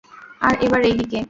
আর এবার এই দিকে।